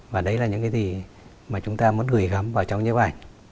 và đấy là những gì mà chúng ta muốn gửi gắm vào trong những bức ảnh